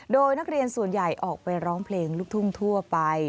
โดยนักเรียนส่วนใหญ่ออกไปร้องเพลงลูกทุ่งทั่วไป